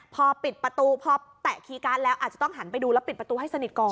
พอปิดประตูพอแตะคีย์การ์ดแล้วอาจจะต้องหันไปดูแล้วปิดประตูให้สนิทก่อน